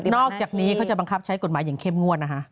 อกจากนี้เขาจะบังคับใช้กฎหมายอย่างเข้มงวดนะฮะ